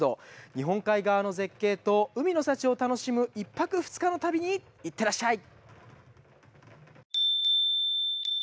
日本海側の絶景と海の幸を楽しむ１泊２日の旅に行ってらっしゃい！